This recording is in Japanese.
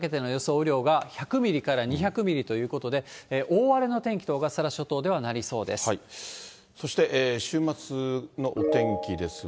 雨量が、１００ミリから２００ミリということで、大荒れの天気と小笠原諸そして、週末のお天気ですが。